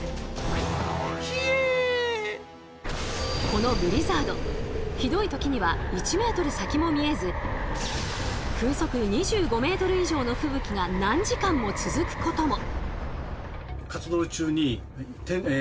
このブリザードひどい時には１ｍ先も見えず風速２５ｍ以上の吹雪が何時間も続くことも。